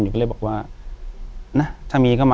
อยู่ที่แม่ศรีวิรัยิลครับ